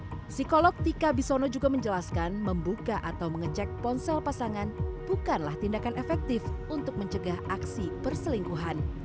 psikolog tika bisono juga menjelaskan membuka atau mengecek ponsel pasangan bukanlah tindakan efektif untuk mencegah aksi perselingkuhan